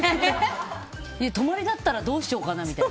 泊まりだったらどうしようかなみたいな。